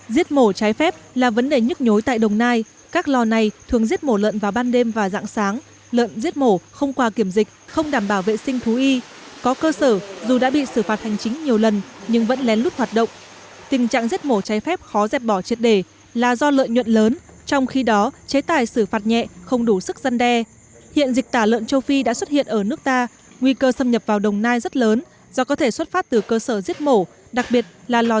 giết mổ trái phép là vấn đề nhức nhối tại đồng nai các lò này thường giết mổ lợn vào ban đêm và dạng sáng lợn giết mổ không qua kiểm dịch không đảm bảo vệ sinh thú y có cơ sở dù đã bị xử phạt hành chính nhiều lần nhưng vẫn lén lút hoạt động tình trạng giết mổ trái phép khó dẹp bỏ triệt đề là do lợn nhuận lớn trong khi đó chế tài xử phạt nhẹ không đủ sức dân đe hiện dịch tả lợn châu phi đã xuất hiện ở nước ta nguy cơ xâm nhập vào đồng nai rất lớn do có thể xuất phát từ cơ sở giết mổ đặc biệt là l